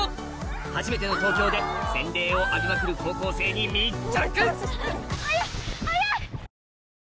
初めての東京で洗礼を浴びまくる高校生に密着！